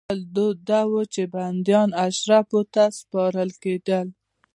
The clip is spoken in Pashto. بل دود دا و چې بندیان اشرافو ته سپارل کېدل.